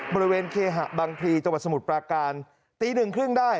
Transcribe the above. บริเวณเคหะบังพลีจังหวัดสมุทรปราการตีหนึ่งครึ่งได้